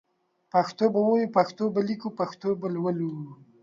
پښتو به وايو پښتو به ليکو پښتو به لولو